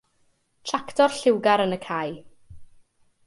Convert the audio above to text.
Tractor lliwgar yn y cae.